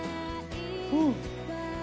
うん！